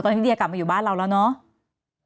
ตอนนี้เดียกลับมาอยู่บ้านเราแล้วเนาะ